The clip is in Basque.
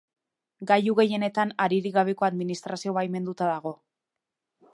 Gailu gehienetan, haririk gabeko administrazio baimenduta dago.